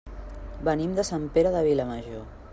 Venim de Sant Pere de Vilamajor.